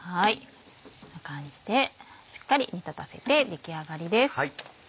こんな感じでしっかり煮立たせて出来上がりです。